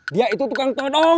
dia itu tukang todong